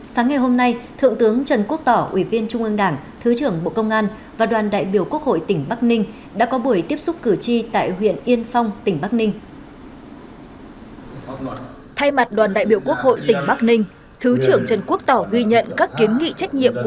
sáng ngày hôm nay thượng tướng trần quốc tỏ ủy viên trung ương đảng thứ trưởng bộ công an và đoàn đại biểu quốc hội tỉnh bắc ninh đã có buổi tiếp xúc cử tri tại huyện yên phong tỉnh bắc ninh